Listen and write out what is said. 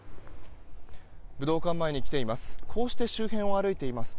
武道館前に来ています。